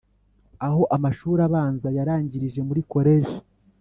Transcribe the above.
aho amashuri abanza yarangirije muri collège